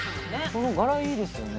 この柄いいですよね